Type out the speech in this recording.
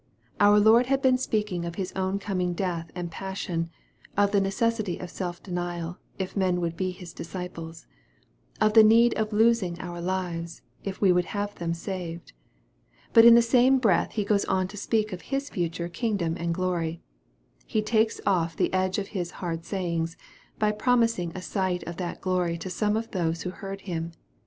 Our Lord had been speakimg of His own coming death and passion of the necessity of self denial, if men would be His disciples of the need of losing our lives, if we would have them saved. But in the same breath he goes on to speak of His future kingdom and glory. He takes off the edge of His " hard sayings," by promising a sight of that glory to some of those who heard Him.